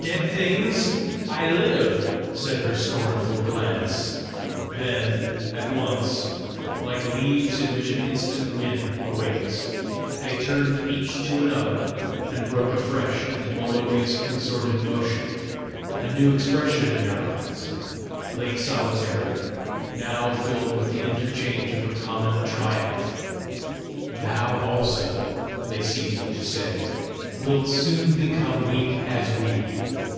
"Dead things, I live!" said her scornful glance. Then, at once, like leaves in which an instant wind awakes, they turned each to another, and broke afresh into melodious consorted motion, a new expression in their eyes, late solitary, now filled with the interchange of a common triumph. "Thou also," they seemed to say, "wilt soon become weak as we!